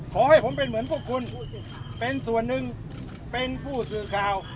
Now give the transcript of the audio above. ขอให้ผมเป็นเหมือนพวกคุณเป็นส่วนหนึ่งเป็นผู้สื่อข่าว